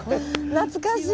懐かしい。